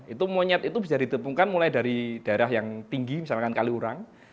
itu monyet itu bisa ditemukan mulai dari daerah yang tinggi misalkan kaliurang